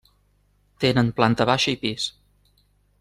Tenen planta baixa i pis.